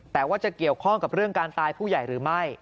แต่ว่าจะเกี่ยวข้องกับเรื่องการตายผู้ใหญ่หรือไม่